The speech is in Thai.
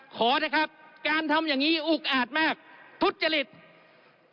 ขอนะครับการทำอย่างนี้อุกอาจมากทุจริต